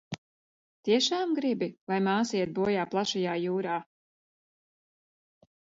Tiešām gribi, lai māsa iet bojā plašajā jūrā?